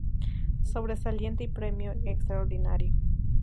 Sobresaliente y Premio extraordinario.